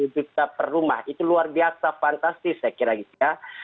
dua puluh juta per rumah itu luar biasa fantastis saya kira gitu ya